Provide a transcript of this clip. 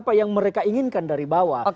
apa yang mereka inginkan dari bawah